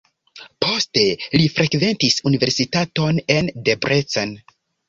Poste li frekventis universitaton en Debrecen.